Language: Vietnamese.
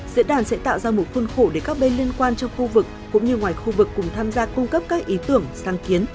diễn đàn sẽ tạo ra một khuôn khổ để các bên liên quan trong khu vực cũng như ngoài khu vực cùng tham gia cung cấp các ý tưởng sáng kiến